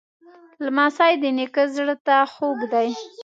لمسی د نیکه زړه ته خوږ دی.